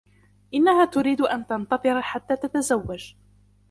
إنها تريد أن تنتظر حتى تتزوج.